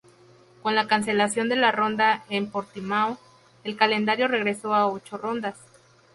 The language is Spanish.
Con la cancelación de la ronda en Portimão, el calendario regresó a ocho rondas.